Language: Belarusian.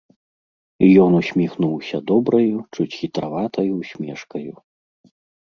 І ён усміхнуўся добраю, чуць хітраватаю ўсмешкаю.